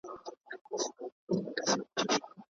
تجربه د علمي کارونو بنسټيزې برخې دي.